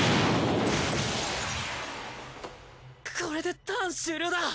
これでターン終了だ。